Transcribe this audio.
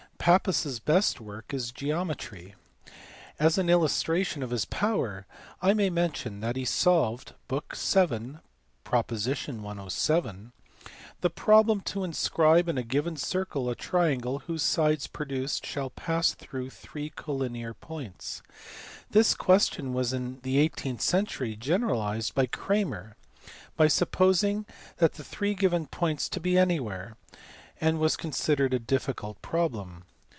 Pappus s best work is in geometry. As an illustration of his power I may mention that he solved (book vii., prop. 107) the problem to inscribe in a given circle a triangle whose sides produced shall pass through three collinear points. This question was in the eighteenth century generalised by Cramer by supposing the three given points to be anywhere; and was considered a difficult problem.